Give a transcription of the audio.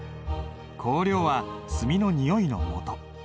香料は墨のにおいのもと。